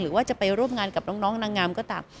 หรือว่าจะไปร่วมงานกับน้องนางงามก็ตาม